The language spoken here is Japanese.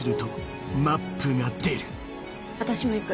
私も行く。